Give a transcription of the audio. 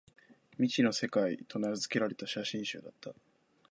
「未知の世界」と名づけられた写真集だった